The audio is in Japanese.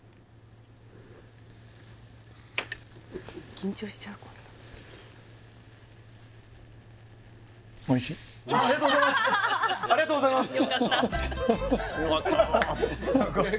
緊張しちゃうありがとうございますありがとうございます